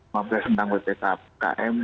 lima belas menanggung tkm